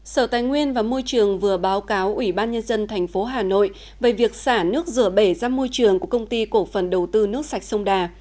sở tài nguyên và môi trường vừa báo cáo ủy ban nhân dân tp hà nội về việc xả nước rửa bể ra môi trường của công ty cổ phần đầu tư nước sạch sông đà